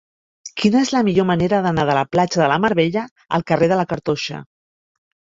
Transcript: Quina és la millor manera d'anar de la platja de la Mar Bella al carrer de la Cartoixa?